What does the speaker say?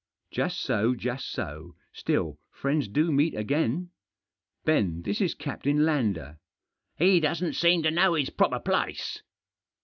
" Just so, just so ; still friends do meet again. Ben, this is Captain Lander." " He doesn't seem to know his proper place."